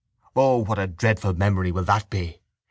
O what a dreadful memory will that be!